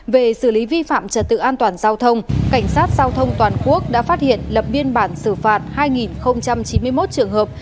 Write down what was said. về xử lý vi phạm trật tự an toàn giao thông cảnh sát giao thông toàn quốc đã phát hiện lập biên bản xử phạt hai chín mươi một trường hợp